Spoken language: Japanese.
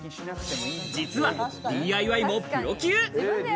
実はＤＩＹもプロ級。